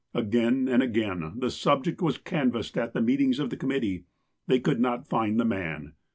Again and again the subject was canvassed at the meetings of the committee. They could not find the man.